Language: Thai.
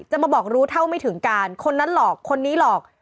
มาบอกรู้เท่าไม่ถึงการคนนั้นหลอกคนนี้หลอก